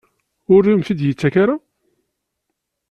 Ur am-t-id-yettak ara?